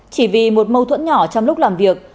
chỉ vì một mâu thuẫn nhỏ trong lúc làm việc